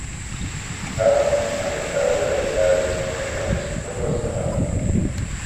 Howard, alertado de la llegada de los españoles, logró escapar al mar.